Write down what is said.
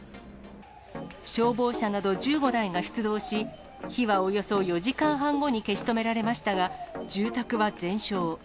消防車など１５台が出動し、火はおよそ４時間半後に消し止められましたが、住宅は全焼。